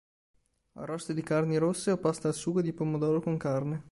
Arrosti di carni rosse o pasta al sugo di pomodoro con carne.